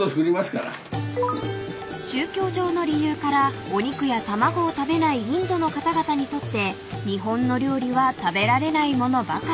［宗教上の理由からお肉や卵を食べないインドの方々にとって日本の料理は食べられない物ばかり］